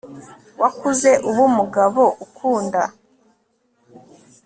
wakuze uba umugabo ukunda